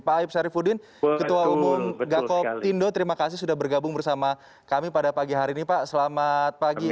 pak aib syarifudin ketua umum gakob tindo terima kasih sudah bergabung bersama kami pada pagi hari ini pak selamat pagi